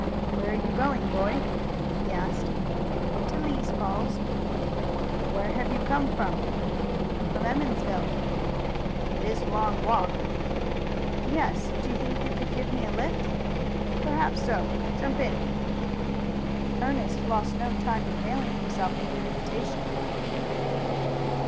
"Where are you going, boy?" he asked. "To Lee's Falls." "Where have you come from?" "From Emmonsville." "It is a long walk." "Yes. Do you think you could give me a lift?" "Perhaps so. Jump in." Ernest lost no time in availing himself of the invitation.